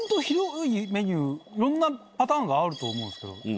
いろんなパターンがあると思うんですけど。